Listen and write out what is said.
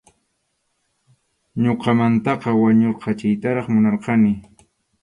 Ñuqamantaqa wañurqachiytaraq munarqani.